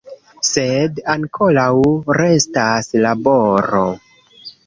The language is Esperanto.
Sed ankoraŭ restas laboro.